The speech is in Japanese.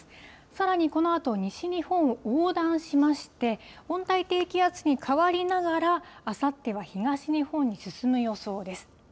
さらに、このあと、西日本を横断しまして、温帯低気圧に変わりながら、あさっては東日本に進む予想です。